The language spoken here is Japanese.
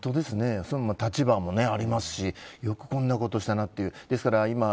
立場もありますしよくこんなことをしたなと。